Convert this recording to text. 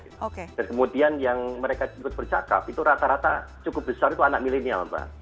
dan kemudian yang mereka ikut bercakap itu rata rata cukup besar itu anak milenial mbak